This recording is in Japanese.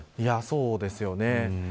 そうですよね。